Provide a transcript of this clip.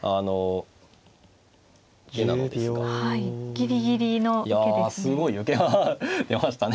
ギリギリの受けですね。